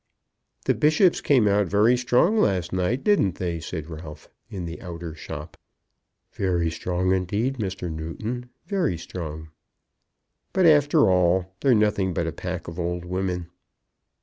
"The bishops came out very strong last night; didn't they?" said Ralph, in the outer shop. "Very strong, indeed, Mr. Newton; very strong." "But, after all, they're nothing but a pack of old women."